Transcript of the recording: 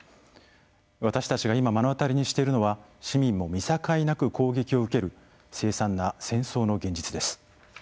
私たちが今、目の当たりにしているのは市民も見境なく攻撃を受ける凄惨な戦争の現実です。